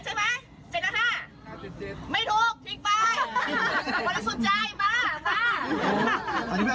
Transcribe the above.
ให้หนูรักไทยรักมาก